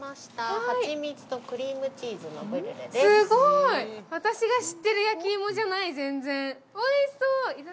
すごい、私が知ってる焼き芋じゃない、全然。